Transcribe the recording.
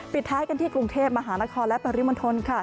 ปิดท้ายกันที่กรุงเทพมหานครและปริมณฑลค่ะ